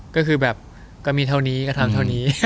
ก็คือแบบก็มีเท่านี้ก็ทำเท่านี้